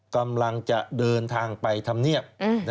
กำลังจะเดินทางไปทำเนียบ